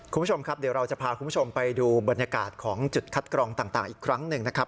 คุณผู้ชมครับเดี๋ยวเราจะพาคุณผู้ชมไปดูบรรยากาศของจุดคัดกรองต่างอีกครั้งหนึ่งนะครับ